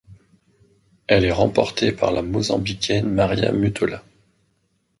Elle est remportée par la Mozambicaine Maria Mutola.